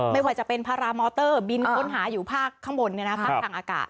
ไม่ว่าจะเป็นพารามอเตอร์บินค้นหาอยู่ภาคข้างบนภาคทางอากาศ